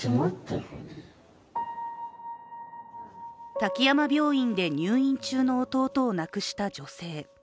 滝山病院で入院中の弟を亡くした女性。